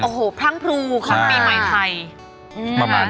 แม่บ้านพระจันทร์บ้าน